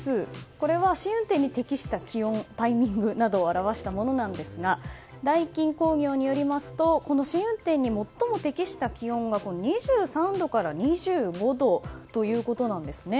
これは試運転に適切な気温を表したものなんですがダイキン工業によりますとこの試運転に最も適した気温が２３度から２５度ということなんですね。